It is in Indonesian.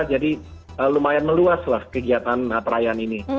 jadi lumayan meluaslah kegiatan perayaan ini